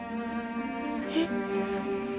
えっ？